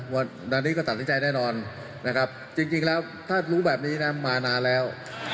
วันนี้ก็ตัดสินใจแน่นอนนะครับจริงแล้วถ้ารู้แบบนี้นะมานานแล้ว